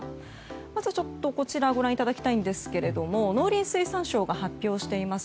まず、こちらをご覧いただきたいんですけども農林水産省が発表しています